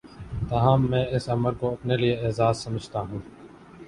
تاہم میں اس امر کو اپنے لیے اعزا ز سمجھتا ہوں